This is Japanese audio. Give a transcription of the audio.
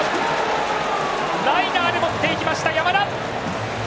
ライナーで持っていきました山田！